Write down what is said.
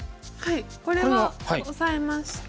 これはオサえまして。